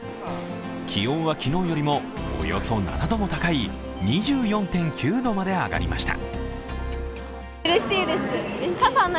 気温は昨日よりもおよそ７度も高い２４．９度まで上がりました。